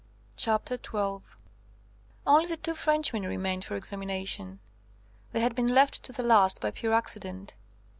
CHAPTER XII Only the two Frenchmen remained for examination. They had been left to the last by pure accident.